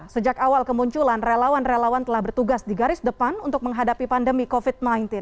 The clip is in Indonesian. sejak awal kemunculan relawan relawan telah bertugas di garis depan untuk menghadapi pandemi covid sembilan belas